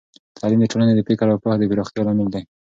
تعليم د ټولنې د فکر او پوهه د پراختیا لامل دی.